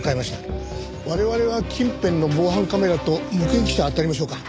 我々は近辺の防犯カメラと目撃者をあたりましょうか。